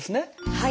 はい。